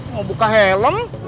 mau buka helm